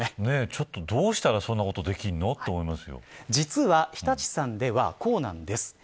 ちょっと、どうしたらそんなことができるのと実は、日立さんのはこうなんです。